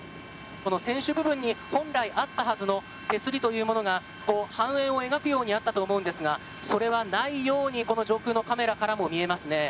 この船首部分に本来あったはずの手すりというものが半円を描くようにあったと思うんですがそれはないようにこの上空のカメラからも見えますね。